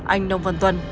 anh nông vân tuân